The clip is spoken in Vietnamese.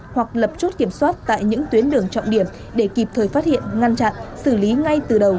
hoặc lập chốt kiểm soát tại những tuyến đường trọng điểm để kịp thời phát hiện ngăn chặn xử lý ngay từ đầu